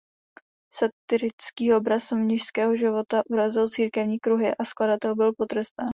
Satirický obraz mnišského života urazil církevní kruhy a skladatel byl potrestán.